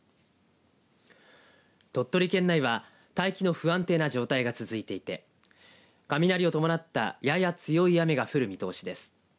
鳥取県内は大気の不安定な状態が続いていて雷を伴ったやや強い雨が降る見通しです。